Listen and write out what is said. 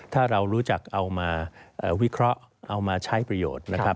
ถ้าเรารู้จักเอามาวิเคราะห์เอามาใช้ประโยชน์นะครับ